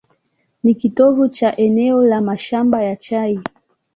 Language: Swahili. Ni kitovu cha eneo la mashamba ya chai.